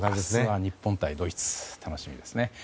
明日は日本対ドイツ楽しみですね。